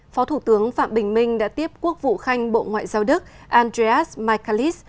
phó thủ tướng phạm bình minh đã tiếp quốc vụ khanh bộ ngoại giao đức andreas michaellis